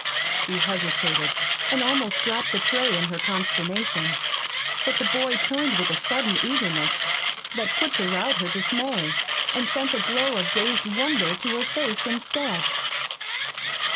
She hesitated, and almost dropped the tray in her consternation. But the boy turned with a sudden eagerness that put to rout her dismay, and sent a glow of dazed wonder to her face instead.